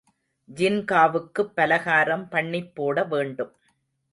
ஜின்காவுக்குப் பலகாரம் பண்ணிப் போட வேண்டும்.